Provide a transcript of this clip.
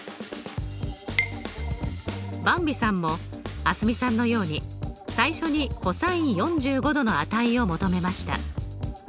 ばんびさんも蒼澄さんのように最初にｃｏｓ４５°の値を求めました。